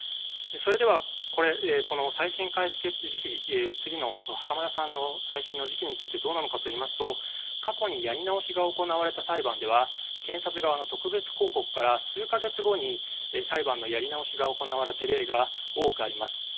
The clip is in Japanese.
では、再審開始時期次の袴田さんの再審の時期についてどうなのかといいますと過去にやり直しが行われた裁判では検察側の特別抗告から数か月後に裁判のやり直しが行われた例が多くあります。